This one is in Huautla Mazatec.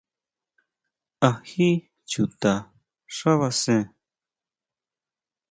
¿Á jí chuta xábasen?